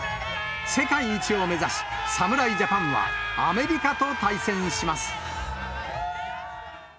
世界一を目指し、侍ジャパンはアメリカと対戦します。